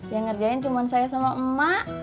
yang ngerjain cuma saya sama emak